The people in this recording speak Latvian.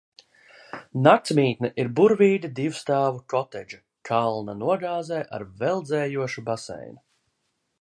Naksmītne ir burvīga divstāvu kotedža kalna nogāzē, ar veldzējošu baseinu.